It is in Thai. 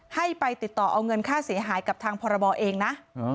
ให้ไปติดต่อเอาเงินค่าเสียหายกับทางพรบเองนะ